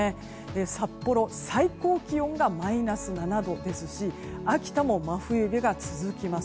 札幌、最高気温がマイナス７度ですし秋田も真冬日が続きます。